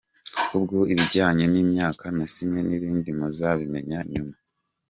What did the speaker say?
Ubwo ibijyanye n’imyaka nasinya n’ibindi muzabimenya nyuma.